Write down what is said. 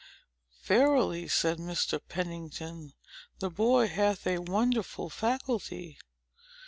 "Verily," said Mr. Pennington, "the boy hath a wonderful faculty.